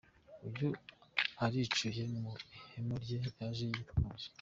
Uyu aricuye mu ihema rye yaje yitwaje.